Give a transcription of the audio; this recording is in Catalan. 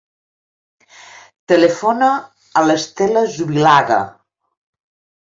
Telefona a l'Estela Zubillaga.